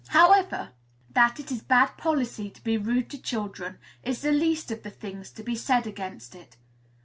However, that it is bad policy to be rude to children is the least of the things to be said against it.